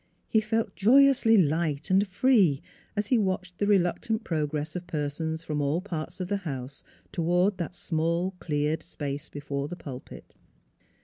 He felt joyously light and free, as he watched the reluctant progress of persons from all parts of the house toward that small cleared space before the pulpit.